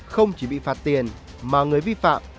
không chỉ bị phạt tiền mà người vi phạm